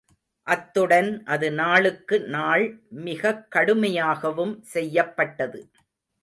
அத்துடன் அது நாளுக்கு நாள்மிகக் கடுமையாகவும் செய்யப்பட்டது.